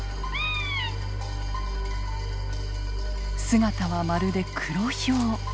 姿はまるでクロヒョウ。